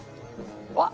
うわっ！